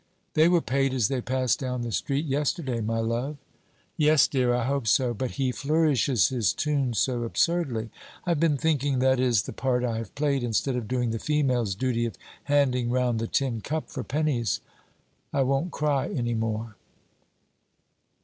'They were paid as they passed down the street yesterday, my love.' 'Yes, dear, I hope so. But he flourishes his tune so absurdly. I've been thinking, that is the part I have played, instead of doing the female's duty of handing round the tin cup for pennies. I won't cry any more.'